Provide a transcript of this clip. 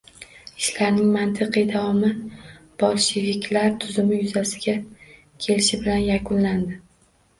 Ishlarning mantiqiy davomi bolsheviklar tuzumi yuzaga kelishi bilan yakunlandi.